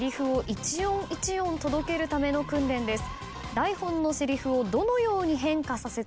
一音一音届けるための訓練です。